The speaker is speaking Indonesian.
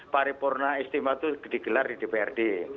paripurna istimewa itu digelar di dprd